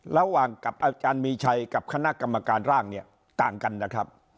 ระหว่างกับอาจารย์มีชัยกับคณะกรรมการร่างเนี่ยต่างกันนะครับ